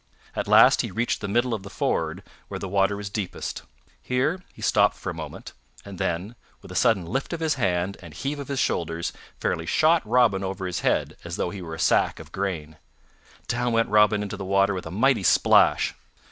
At last he reached the middle of the ford where the water was deepest. Here he stopped for a moment, and then, with a sudden lift of his hand and heave of his shoulders, fairly shot Robin over his head as though he were a sack of grain. Down went Robin into the water with a mighty splash.